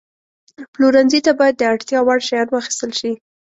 پلورنځي ته باید د اړتیا وړ شیان واخیستل شي.